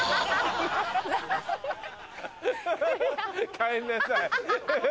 帰んなさい。